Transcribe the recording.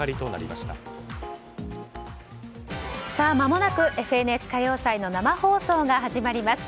まもなく「ＦＮＳ歌謡祭」の生放送が始まります。